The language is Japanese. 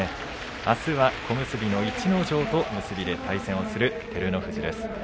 あすは小結の逸ノ城と結びで対戦する、照ノ富士です。